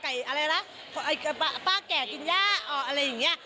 อะไรล่ะป้าแก่กินย่าอะไรอย่างเงี้ย